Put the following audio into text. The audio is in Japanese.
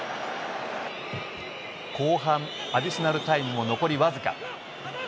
後半アディショナルタイムも残り僅か。